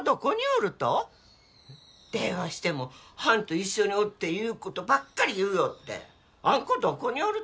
えっ？電話してもはんと一緒におるっていうことばっかり言うよってあん子どこにおると？